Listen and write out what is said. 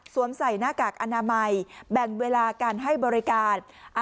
ใส่หน้ากากอนามัยแบ่งเวลาการให้บริการ